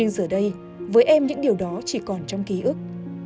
nhưng giờ đây với em những điều đó chỉ còn trong ký ức